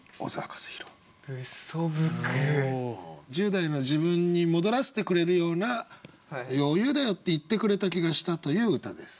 １０代の自分に戻らせてくれるような「余裕だよ」って言ってくれた気がしたという歌です。